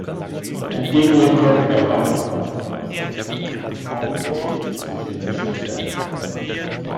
Entgegen landläufiger Meinung zeigen die meisten Untersuchungen keinen Unterschied zwischen den Geschlechtern.